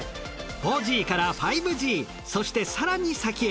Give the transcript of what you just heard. ４Ｇから５Ｇそして更に先へ。